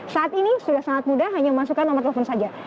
saat ini sudah sangat mudah hanya memasukkan nomor telepon saja